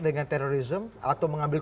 dengan terorisme atau mengambil